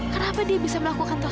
kenapa dia bisa melakukan tos itu